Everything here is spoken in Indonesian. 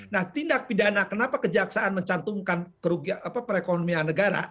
nah tindak pidana kenapa kejaksaan mencantumkan perekonomian negara